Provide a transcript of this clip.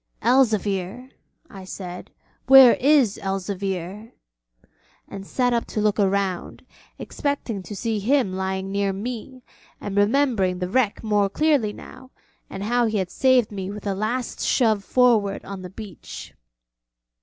'Elzevir,' I said, 'where is Elzevir?' and sat up to look round, expecting to see him lying near me, and remembering the wreck more clearly now, and how he had saved me with that last shove forward on the beach.